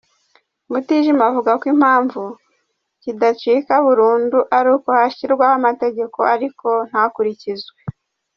Mutijima avuga ko impamvu kidacika burundu ari uko hashyirwaho amategeko ariko ntakurikizwe.